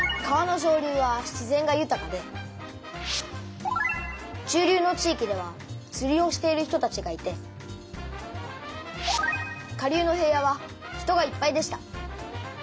川の上流は自然がゆたかで中流の地域ではつりをしている人たちがいて下流の平野は人がいっぱいでした。